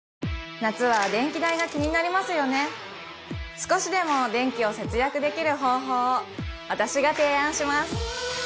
少しでも電気を節約できる方法を私が提案します